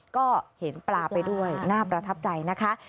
ก็เห็นปลาไปด้วยน่าประทับใจนะคะ